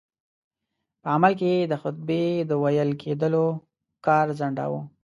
په عمل کې یې د خطبې د ویل کېدلو کار ځنډاوه.